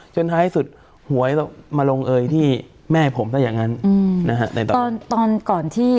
ท้ายสุดหวยมาลงเอยที่แม่ผมซะอย่างนั้นอืมนะฮะในตอนตอนก่อนที่